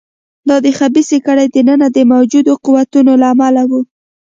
دا د خبیثه کړۍ دننه د موجوده قوتونو له امله و.